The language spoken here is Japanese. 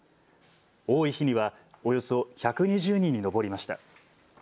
多い日にはおよそ１２０人に上りました。